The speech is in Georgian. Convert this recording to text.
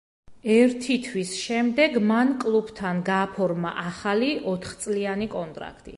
ერთი თვის შემდეგ მან კლუბთან გააფორმა ახალი, ოთხწლიანი კონტრაქტი.